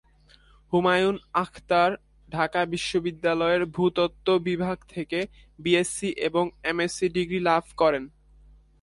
হুমায়ুন আখতার ঢাকা বিশ্ববিদ্যালয়ের ভূতত্ত্ব বিভাগ থেকে বিএসসি এবং এমএসসি ডিগ্রি লাভ করেন।